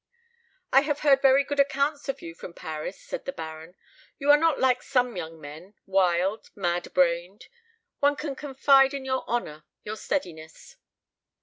"I have heard very good accounts of you from Paris," said the Baron. "You are not like some young men, wild, mad brained. One can confide in your honour, your steadiness."